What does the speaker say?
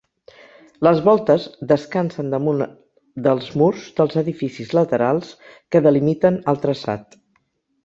Les voltes descansen damunt dels murs dels edificis laterals que delimiten el traçat.